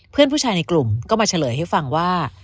เพื่อนผู้ชายในกลุ่มก็มาเฉลยให้ฟังว่า